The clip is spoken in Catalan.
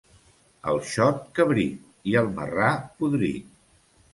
El xot, cabrit, i, el marrà, podrit.